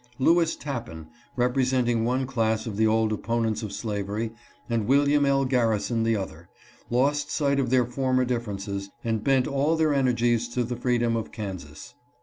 Lewis Tappan, representing one class of the old opponents of slavery, and William L. Garrison the other, lost sight of their former differences, and bent all their energies to the freedom of Kansas.